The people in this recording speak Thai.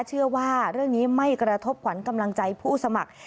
เชื่อว่าเรื่องนี้ไม่กระทบขวัญกำลังใจผู้สมัคร